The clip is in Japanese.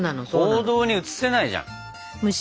行動に移せないじゃん。